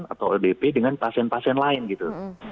kalau pdp dengan pasien pasien lain gitu